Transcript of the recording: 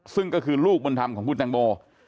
ซึ่งก็คือลูกบุญธรรมของคุณตังโม